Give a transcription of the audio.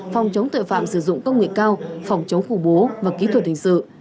phòng chống tội phạm sử dụng công nghệ cao phòng chống khủng bố và kỹ thuật hình sự